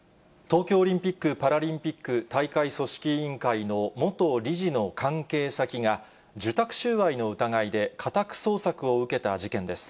東京オリンピック・パラリンピック大会組織委員会の元理事の関係先が、受託収賄の疑いで家宅捜索を受けた事件です。